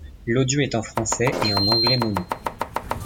L'audio est en français et en anglais mono.